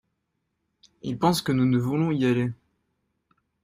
Il pense que nous ne voulons y aller.